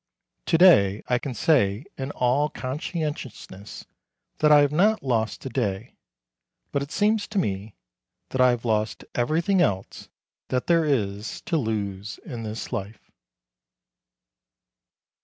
To day I can say in all conscientiousness that I have not lost a day; but it seems to me that I have lost everything else that there is to lose in this life.